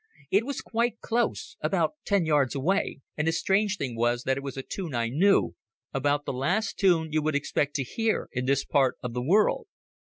It was quite close, about ten yards away. And the strange thing was that it was a tune I knew, about the last tune you would expect to hear in this part of the world.